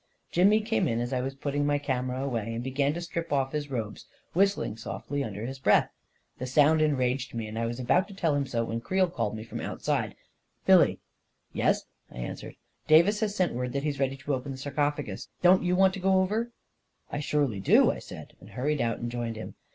Jimmy came in as I was putting my camera away, and began to strip off his robes, whistling softly under his breath. The sound enraged me, and I was about to tell him so, when Creel called me from outside. 44 Billy I M " Yes," I answered. " Davis has sent word that he's ready to open the sarcophagus. Don't you want to go over? "" I surely do !" I said, and hurried out and joined him.